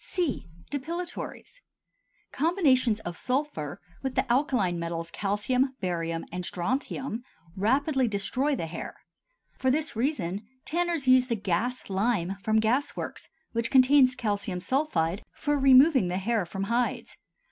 C. Depilatories. Combinations of sulphur with the alkaline metals calcium, barium, and strontium rapidly destroy the hair; for this reason tanners use the "gas lime" from gas works, which contains calcium sulphide, for removing the hair from hides.